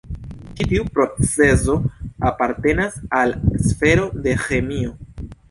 Ĉi tiu procezo apartenas al sfero de ĥemio.